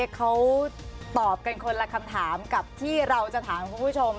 เขาตอบกันคนละคำถามกับที่เราจะถามคุณผู้ชม